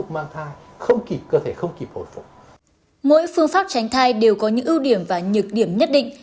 mỗi phương pháp tránh thai đều có những ưu điểm và nhược điểm nhất định